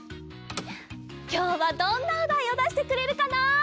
きょうはどんなおだいをだしてくれるかな？